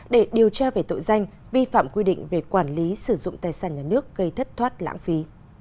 để điều tra về tội danh vi phạm quy định về quản lý sử dụng tài sản nhà nước gây thất thoát lãng phí